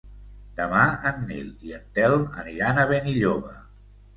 Demà en Nil i en Telm aniran a Benilloba.